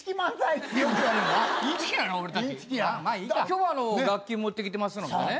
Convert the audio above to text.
今日は楽器持ってきてますのでね。